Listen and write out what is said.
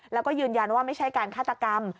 แล้วก็ยืนยันว่าไม่ใช่การฆาตกรรม